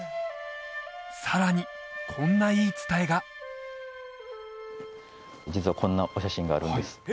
さらにこんな言い伝えが実はこんなお写真があるんです